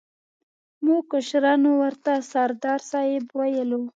موږ کشرانو ورته سردار صاحب ویلو.